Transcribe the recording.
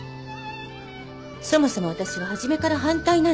そもそも私は初めから反対なんです。